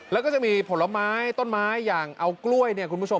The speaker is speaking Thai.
แล้วก็จะมีผลไม้ต้นไม้อย่างเอากล้วยเนี่ยคุณผู้ชม